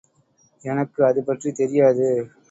எனக்கு அதுபற்றி தெரியாது.